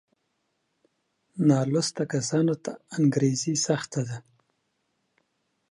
بې لوسته کسانو ته انګرېزي سخته ده.